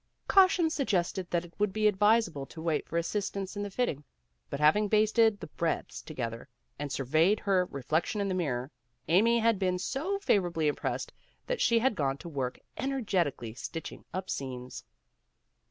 Caution suggested that it would be advisable to wait for assistance in the fitting, but having basted the breadths together and surveyed her reflection in the mirror, Amy had been so favorably impressed that she had gone to work energetically stitching up seams.